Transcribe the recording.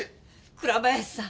倉林さん